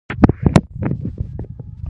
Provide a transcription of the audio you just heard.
موږ باید په خور لور تعليم حتماً وکړو.